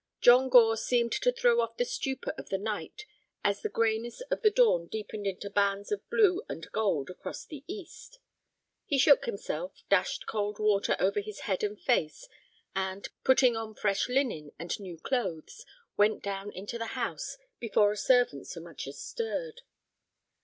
John Gore seemed to throw off the stupor of the night as the grayness of the dawn deepened into bands of blue and gold across the east. He shook himself, dashed cold water over his head and face, and, putting on fresh linen and new clothes, went down into the house before a servant so much as stirred.